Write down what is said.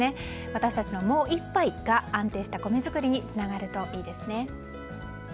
私たちのもう１杯が安定した米作りにつながるといいですね。